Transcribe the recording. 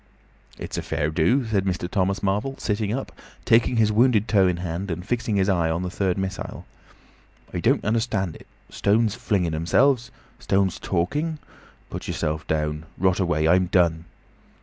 "It's a fair do," said Mr. Thomas Marvel, sitting up, taking his wounded toe in hand and fixing his eye on the third missile. "I don't understand it. Stones flinging themselves. Stones talking. Put yourself down. Rot away. I'm done."